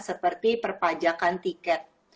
seperti perpajakan tiket